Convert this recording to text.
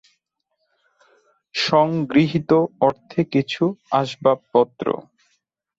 সংগৃহীত অর্থে কিছু আসবাবপত্র।